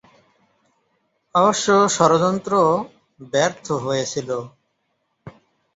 অবশ্য ষড়যন্ত্র ব্যর্থ হয়েছিল।